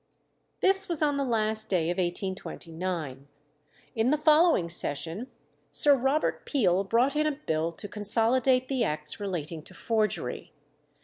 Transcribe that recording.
This was on the last day of 1829. In the following session Sir Robert Peel brought in a bill to consolidate the acts relating to forgery.